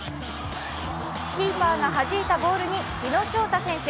キーパーがはじいたボールに日野翔太選手。